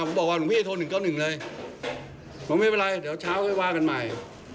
ผมบอกว่าหนูพี่เจอ๑๙๑เลยบอกว่าไม่เป็นไรเดี๋ยวเช้าก็พวกาวกันใหม่